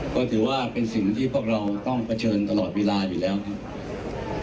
ก็ถือว่าเป็นสิ่งที่พวกเราต้องเผชิญตลอดเวลาอยู่แล้วครับ